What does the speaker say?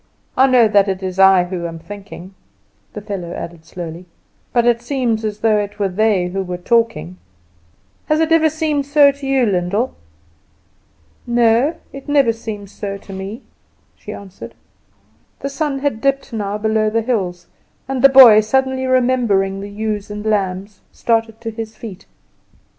I know that it is I who am thinking," the fellow added slowly, "but it seems as though it were they who are talking. Has it never seemed so to you, Lyndall?" "No, it never seems so to me," she answered. The sun had dipped now below the hills, and the boy, suddenly remembering the ewes and lambs, started to his feet.